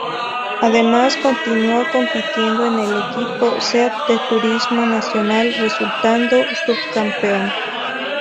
Además continuó compitiendo en el equipo Seat de Turismo Nacional, resultando subcampeón.